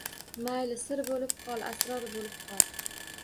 Mayli, sir bo‘lib qol, asror bo‘lib qol